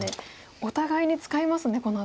お互いに使いますねこの辺り。